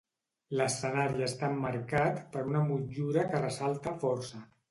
L'escenari està emmarcat per una motllura que ressalta força.